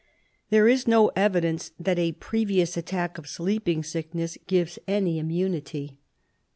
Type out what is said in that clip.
There is no evidence that a previous attack of sleeping sickness gives any immunity.